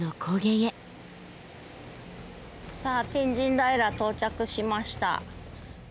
さあ天神平到着しました。